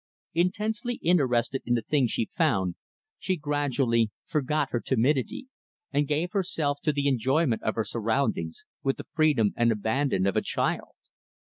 Intensely interested in the things she found, she gradually forgot her timidity, and gave herself to the enjoyment of her surroundings, with the freedom and abandon of a child.